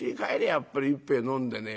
やっぱり一杯飲んで寝」。